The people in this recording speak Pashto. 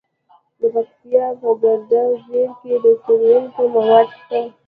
د پکتیا په ګرده څیړۍ کې د سمنټو مواد شته.